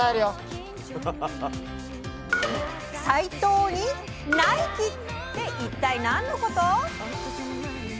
斎藤にナイキって一体何のこと？